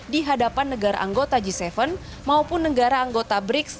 di hadapan negara anggota g tujuh maupun negara anggota brids